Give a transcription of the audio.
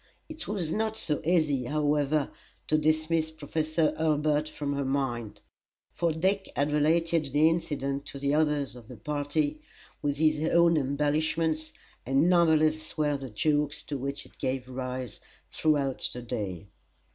It was not so easy, however, to dismiss Professor Hurlbut from her mind, for Dick had related the incident to the others of the party, with his own embellishments, and numberless were the jokes to which it gave rise throughout the day.